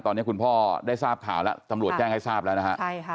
ตอนนี้คุณพ่อได้ทราบข่าวแล้วตำรวจแจ้งให้ทราบแล้วนะฮะ